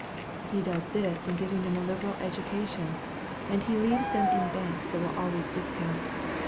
"He does this in giving them a liberal education, and he leaves them in banks that will always discount.